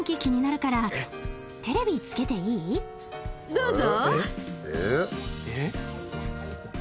どうぞ。